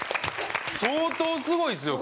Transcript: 相当すごいですよこれ。